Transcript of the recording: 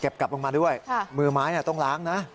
กลับลงมาด้วยมือไม้ต้องล้างนะ